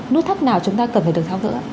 nút thắt nào chúng ta cần phải được thao gỡ